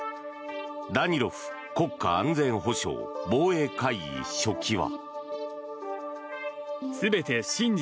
ダニロフ国家安全保障防衛会議書記は。